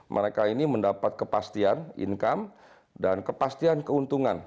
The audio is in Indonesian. mereka ini mendapat kepastian income dan kepastian keuntungan